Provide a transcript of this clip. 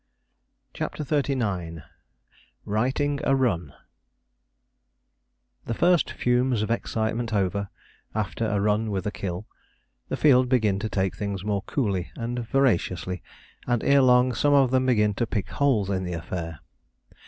CHAPTER XXXIX Writing A Run [Illustration: letter T] The first fumes of excitement over, after a run with a kill, the field begin to take things more coolly and veraciously, and ere long some of them begin to pick holes in the affair.